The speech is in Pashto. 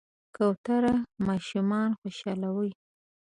کوتره ماشومان خوشحالوي.